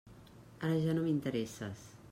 Ara ja no m'interesses.